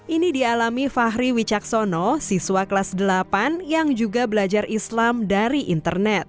ini dialami fahri wicaksono siswa kelas delapan yang juga belajar islam dari internet